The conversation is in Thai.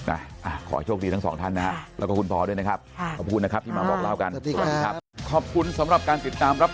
อ่าขอให้โชคดีทั้งสองท่านนะฮะแล้วก็คุณพอด้วยนะครับ